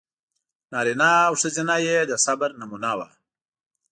نارینه او ښځینه یې د صبر نمونه و.